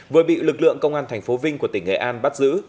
vừa bị lực lượng công an tp vinh của tỉnh nghệ an bắt giữ